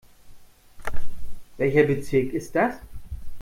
Welcher Bezirk ist das?